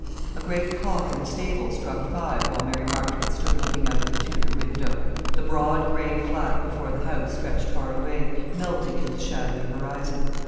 A great clock in the stables struck five while Mary Marchmont stood looking out of the Tudor window. The broad grey flat before the house stretched far away, melting into the shadowy horizon.